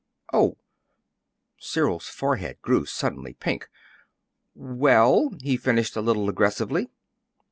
Oh!" Cyril's forehead grew suddenly pink. "Well?" he finished a little aggressively.